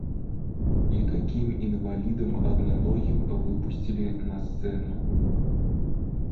І такім інвалідам аднаногім выпусцілі на сцэну.